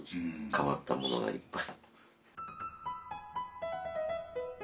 変わったものがいっぱい。